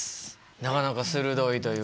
なかなか鋭いというかね。